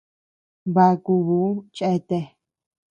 Bakuʼuu cheatea.